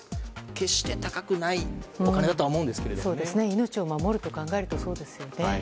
決して高くないお金だと命を守ると考えたらそうですよね。